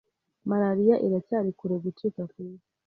‘Malaria iracyari kure gucika ku isi’